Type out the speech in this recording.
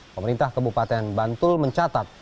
pemerintah kebupaten bantul mencatat